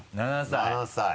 ７歳。